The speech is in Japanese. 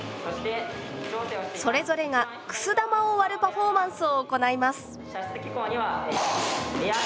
それぞれがくす玉を割るパフォーマンスを行います。